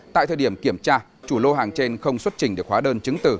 tại thời điểm kiểm tra chủ lô hàng trên không xuất trình được hóa đơn chứng từ